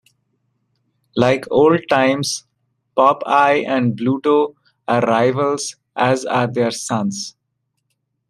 Like old times, Popeye and Bluto are rivals, as are their sons.